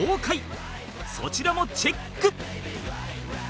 そちらもチェック！